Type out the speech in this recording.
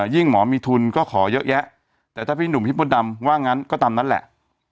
ยิ่งหมอมีทุนก็ขอเยอะแยะแต่ถ้าพี่หนุ่มพี่มดดำว่างั้นก็ตามนั้นแหละ